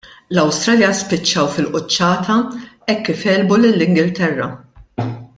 l-Awstralja spiċċaw fil-quċċata hekk kif għelbu lill-Ingilterra.